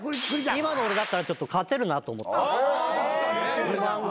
今の俺だったらちょっと勝てるなと不満が。